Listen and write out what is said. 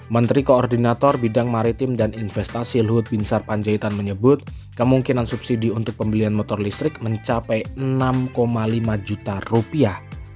menteri koordinator bidang maritim dan investasi luhut binsar panjaitan menyebut kemungkinan subsidi untuk pembelian motor listrik mencapai enam lima juta rupiah